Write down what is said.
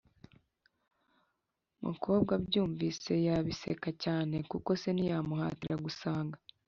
mukobwa abyumvise yabiseka cyane kuko se ntiyamuhatira gusanga